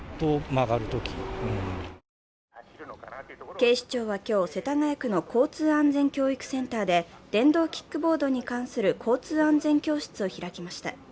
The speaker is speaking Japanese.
警視庁は今日、世田谷区の交通安全教育センターで、電動キックボードに関する交通安全教室を開きました。